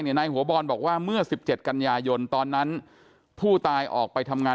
นายหัวบอลบอกว่าเมื่อ๑๗กันยายนตอนนั้นผู้ตายออกไปทำงาน